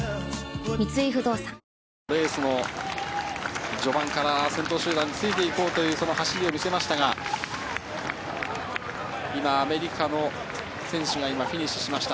レースの序盤から先頭集団についていこうという走りを見せましたが、今、アメリカの選手がフィニッシュしました。